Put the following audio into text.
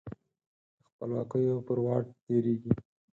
د خپلواکیو پر واټ تیریږې